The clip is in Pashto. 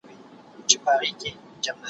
پرې کوي غاړي د خپلو اولادونو